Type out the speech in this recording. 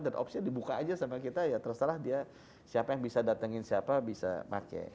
dan opsi dibuka aja sama kita ya terserah dia siapa yang bisa datengin siapa bisa pakai